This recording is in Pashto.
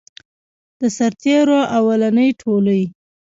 د سرتیرو اولنی ټولۍ.